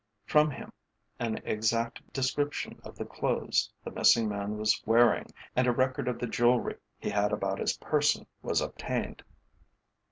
From him an exact description of the clothes the missing man was wearing, and a record of the jewellery he had about his person, was obtained.